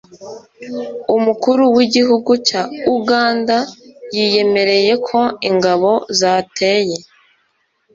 umukuru w'igihugu cya uganda yiyemereye ko ingabo zateye